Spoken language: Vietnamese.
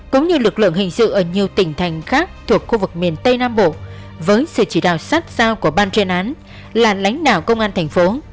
cũng như lực lượng hình sự ở nhiều tỉnh thành khác thuộc khu vực miền tây nam bộ với sự chỉ đạo sát sao của ban chuyên án là lãnh đạo công an thành phố